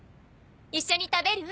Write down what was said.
一緒に食べる？